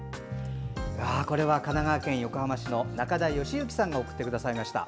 神奈川県横浜市の中田よしゆきさんが送ってくださいました。